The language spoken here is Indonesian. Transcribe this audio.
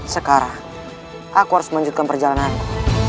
sekarang aku harus melanjutkan perjalananku